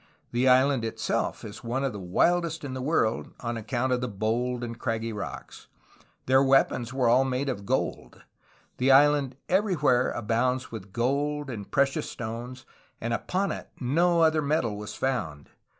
The island itself is one of the wildest in the world on ac count of the bold and craggy rocks. Their weapons were all made of gold ... The island everywhere abounds with gold and precious stones, and upon it no other metal was found.